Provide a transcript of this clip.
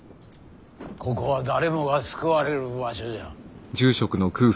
ここは誰もが救われる場所じゃ。